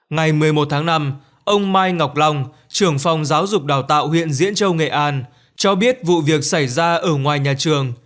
ngày một mươi một tháng năm ông mai ngọc long trưởng phòng giáo dục đào tạo huyện diễn châu nghệ an cho biết vụ việc xảy ra ở ngoài nhà trường